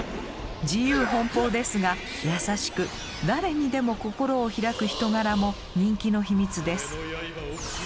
自由奔放ですが優しく誰にでも心を開く人柄も人気の秘密です。